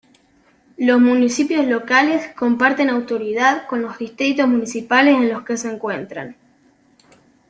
Los municipios locales comparten autoridad con los distritos municipales en los que se encuentran.